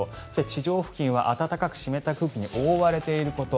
地上付近は暖かく湿った空気に覆われていること